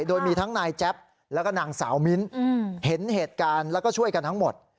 โดยมีทั้งนายแจ๊บแล้วก็นางสาวมิ้นเห็นเหตุการณ์แล้วก็ช่วยกันทั้งหมด